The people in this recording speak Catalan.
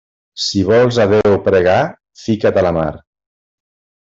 Si vols a Déu pregar, fica't a la mar.